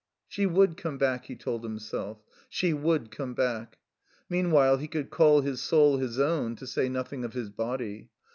She wotdd come back, he told himself; she would come back. Meanwhile he could call his soul his own, to say nothing of his body.